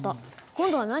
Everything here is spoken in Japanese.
今度は何？